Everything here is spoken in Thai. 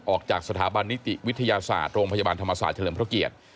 ออกจากสถาบันนิติวิทยาศาสตร์โรงพยาบาลธรรมศาสตร์เฉลิมพระเกียรติ